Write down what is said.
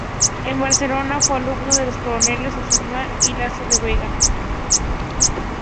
En Barcelona fue alumno de los coroneles Aznar y Laso de la Vega.